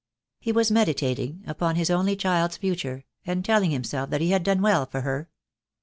He was meditat ing upon his only child's future, and telling himself that he had done well for her.